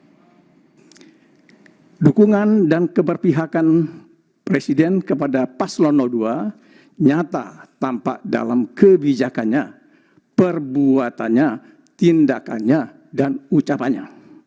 bahwa dukungan dan keberpihakan presiden kepada paslon dua nyata tampak dalam kebijakannya perbuatannya tindakannya dan ucapannya